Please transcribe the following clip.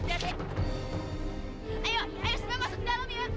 ayo ayo masuk ke dalam ya